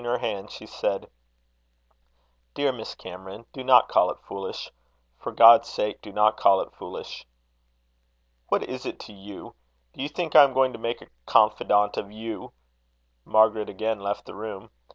her hands, she said: "Dear Miss Cameron, do not call it foolish. For God's sake, do not call it foolish." "What is it to you? Do you think I am going to make a confidante of you?" Margaret again left the room.